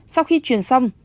sau khi truyền xong